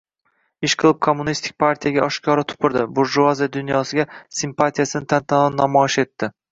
— Ishqilib, kommunistik partiyaga oshkora tupurdi. Burjuaziya dunyosiga simpatiyasini tantanavor namoyish etdi.